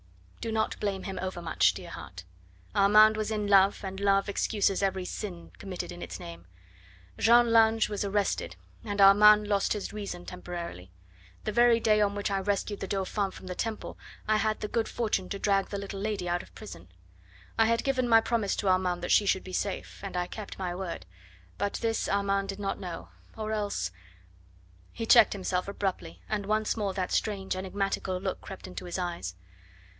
"Do not blame him overmuch, dear heart. Armand was in love, and love excuses every sin committed in its name. Jeanne Lange was arrested and Armand lost his reason temporarily. The very day on which I rescued the Dauphin from the Temple I had the good fortune to drag the little lady out of prison. I had given my promise to Armand that she should be safe, and I kept my word. But this Armand did not know or else " He checked himself abruptly, and once more that strange, enigmatical look crept into his eyes.